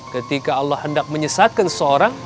ketika allah hendak menyesatkan seseorang